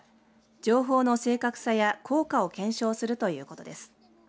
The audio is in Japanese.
情報の正確さや効果を検証するということです。